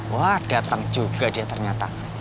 wah datang juga dia ternyata